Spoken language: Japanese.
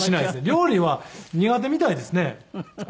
料理は苦手みたいですね。